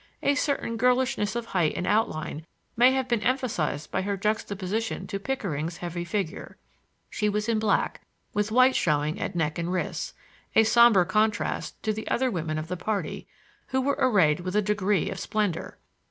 A certain girlishness of height and outline may have been emphasized by her juxtaposition to Pickering's heavy figure. She was in black, with white showing at neck and wrists,—a somber contrast to the other women of the party, who were arrayed with a degree of splendor.